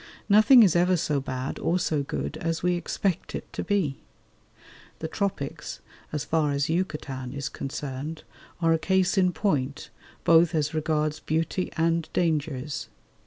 Nothing is ever so bad or so good as we expect it to be. The Tropics, as far as Yucatan is concerned, are a case in point, both as regards beauty and dangers.